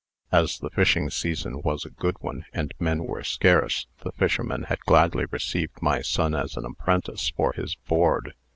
As the fishing season was a good one, and men were scarce, the fisherman had gladly received my son as an apprentice for his board.